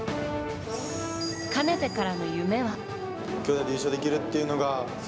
かねてからの夢は。